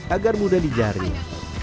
agar mudah dijaring